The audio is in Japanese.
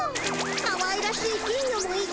かわいらしい金魚もいて！